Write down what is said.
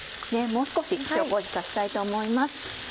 もう少し塩麹足したいと思います。